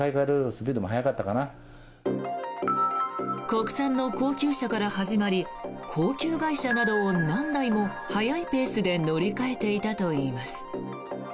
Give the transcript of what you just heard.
国産の高級車から始まり高級外車などを何台も早いペースで乗り換えていたといいます。